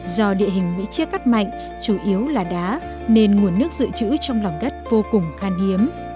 do địa hình bị chia cắt mạnh chủ yếu là đá nên nguồn nước dự trữ trong lòng đất vô cùng khan hiếm